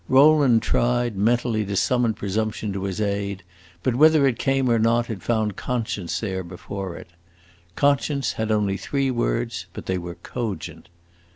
Rowland tried, mentally, to summon presumption to his aid; but whether it came or not, it found conscience there before it. Conscience had only three words, but they were cogent.